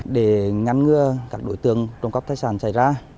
để ngăn ngừa các đối tượng trồng cấp tài sản xảy ra